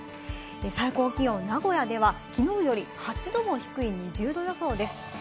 最高気温、名古屋ではきのうより８度も低い２０度予想です。